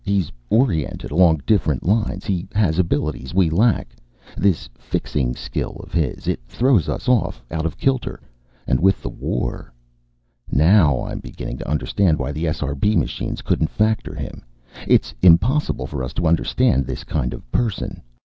He's oriented along different lines. He has abilities we lack. This fixing skill of his. It throws us off, out of kilter. And with the war.... "Now I'm beginning to understand why the SRB machines couldn't factor him. It's impossible for us to understand this kind of person.